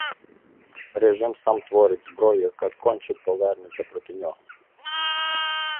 Режим сам творить зброю, яка конче повернеться проти нього.